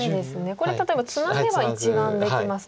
これ例えばツナげば１眼できますね。